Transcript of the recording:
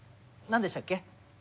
何でしたっけ？